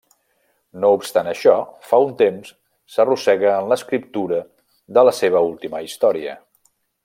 No obstant això, fa un temps, s'arrossega en l'escriptura de la seva última història.